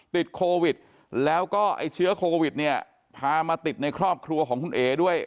ติดโควิดแล้วก็ไอ้เชื้อโควิดเนี่ยพามาติดในครอบครัวของคุณเอ๋ด้วย